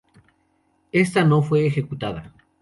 Esta no fue ejecutada.